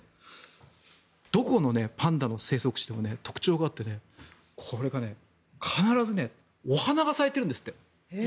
どこのパンダの生息地でも特徴があってこれがね、必ずお花が咲いてるんですって。